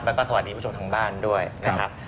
แล้วก็สวัสดีผู้ชมทางบ้านด้วยนะครับ